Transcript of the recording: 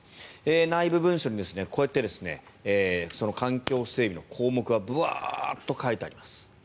内部文書にこうやってその環境整備の項目がブワーッと書いてあります。